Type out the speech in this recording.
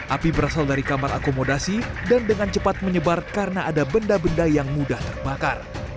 api berasal dari kamar akomodasi dan dengan cepat menyebar karena ada benda benda yang mudah terbakar